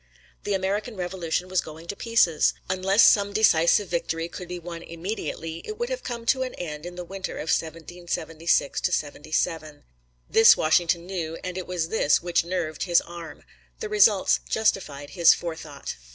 The American Revolution was going to pieces. Unless some decisive victory could be won immediately, it would have come to an end in the winter of 1776 77. This Washington knew, and it was this which nerved his arm. The results justified his forethought.